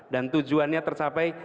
dan tujuannya tercapai